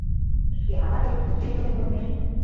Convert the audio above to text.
Шке ава деч ончен шоген кодмеш